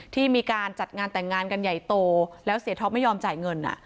ที่มีการจัดงานแต่งงานกันใหญ่โตแล้วเสียท็อปไม่ยอมจ่ายเงิน